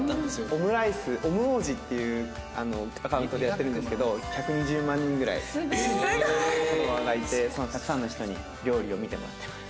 オムライスオム王子っていうアカウントでやってるんですけど１２０万人ぐらいフォロワーがいてたくさんの人に料理を見てもらってます。